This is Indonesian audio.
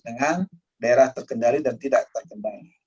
dengan daerah terkendali dan tidak terkendali